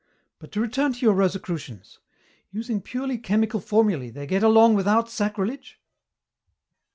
But to return to your Rosicrucians. Using purely chemical formulæ, they get along without sacrilege?"